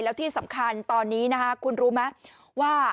แล้วที่สำคัญตอนนี้นะคะคุณรู้ไหมว่า